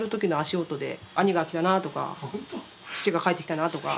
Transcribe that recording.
兄が来たなとか父が帰ってきたなとか。